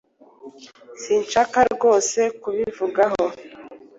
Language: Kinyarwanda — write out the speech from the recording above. Sinshaka rwose kubivugaho.